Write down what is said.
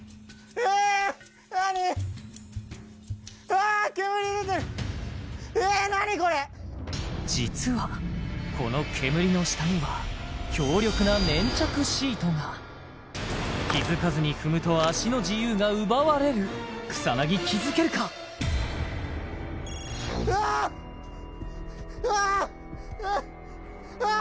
え何これ実はこの煙の下には気づかずに踏むと足の自由が奪われる草薙気づけるかうわーうわー！うわー！